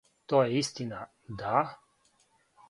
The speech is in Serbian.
То је истина, да.